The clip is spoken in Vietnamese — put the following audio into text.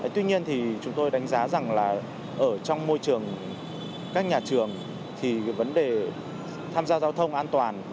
tuy nhiên thì chúng tôi đánh giá rằng là ở trong môi trường các nhà trường thì vấn đề tham gia giao thông an toàn